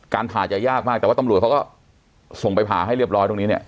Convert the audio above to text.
ผ่าจะยากมากแต่ว่าตำรวจเขาก็ส่งไปผ่าให้เรียบร้อยตรงนี้เนี่ย